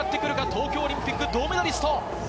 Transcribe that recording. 東京オリンピック銅メダリスト。